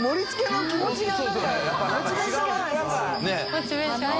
モチベーションが。